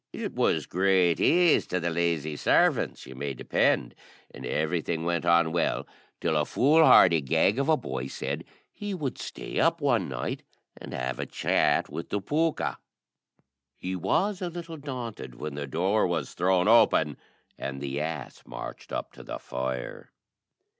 It was great ease to the lazy servants, you may depend, and everything went on well till a foolhardy gag of a boy said he would stay up one night and have a chat with the pooka. He was a little daunted when the door was thrown open and the ass marched up to the fire.